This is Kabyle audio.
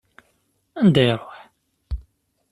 Anda iruḥ?